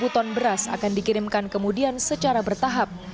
delapan ton beras akan dikirimkan kemudian secara bertahap